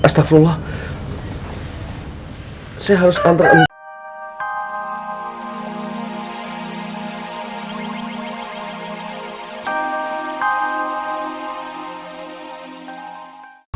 saya juga bahagia kum kalau diperhatiin kayak gitu